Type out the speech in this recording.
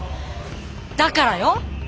だからよ。